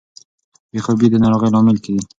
بې خوبي د ناروغۍ لامل کیږي.